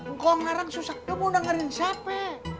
ngkong narang susah lo mau dengerin siapa